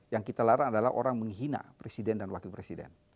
yang kita larang adalah orang menghina presiden dan wakil presiden